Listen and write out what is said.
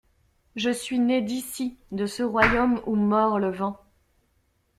Je suis né d’ici, de ce royaume où mord le vent.